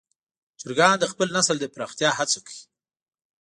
چرګان د خپل نسل د پراختیا هڅه کوي.